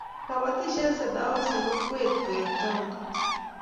kabatishiet sendeoshek kokwet koek taunit